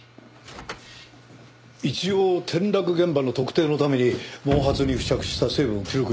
一応転落現場の特定のために毛髪に付着した成分を記録しておいた。